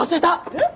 えっ？